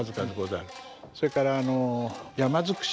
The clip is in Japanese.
それから山尽し。